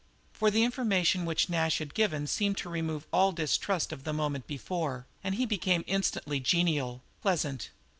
For the information which Nash had given seemed to remove all his distrust of the moment before and he became instantly genial, pleasant.